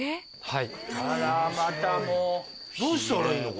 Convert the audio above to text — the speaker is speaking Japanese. はい。